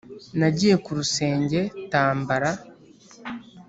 Nagiye ku rusenge tambara